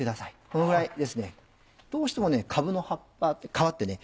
このぐらいですねどうしてもかぶの皮ってね